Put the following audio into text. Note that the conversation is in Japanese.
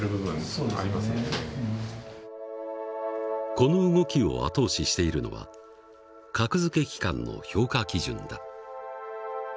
この動きを後押ししているのは格付け機関の評価基準だ。